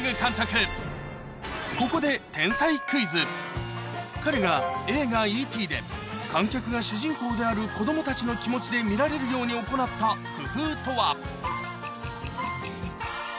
ここで彼が映画『Ｅ．Ｔ．』で観客が主人公である子供たちの気持ちで見られるように行った工夫とは？